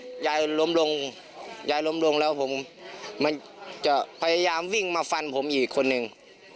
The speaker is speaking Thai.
ฟันคอยายปึ๊บโอ้โฮฟันหายผมแล้ว